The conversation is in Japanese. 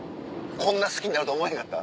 こんな好きになるとは思わへんかった？